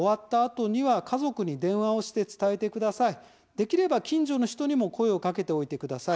できれば、近所の人にも声をかけておいてください。